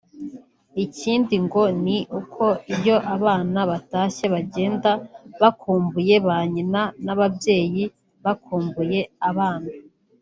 Ikindi ngo ni uko iyo abana batashye bagenda bakumbuye ba nyina n’ababyeyi bakumbuye abana